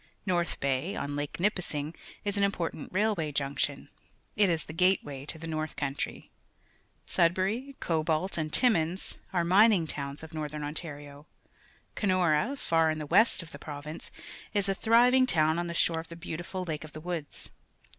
Xorth Bay, on Lake Nipissing, is an important railwa}' junction. It is the gateway to the north country. Sudbury, Cobalt, and Timmins are mining towns of Northern Ontario. Kenora, far in the west of the province, is a thriving town on the shore of the beautiful Lake of the Woods.